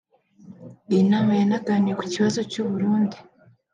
Iyi nama yanaganiriye ku kibazo cy’u Burundi